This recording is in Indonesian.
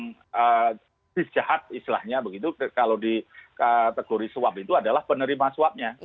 yang dijahat istilahnya begitu kalau di kategori suap itu adalah penerima suapnya